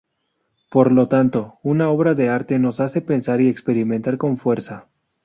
Por lo tanto, una obra de arte nos hace pensar y experimentar con fuerza.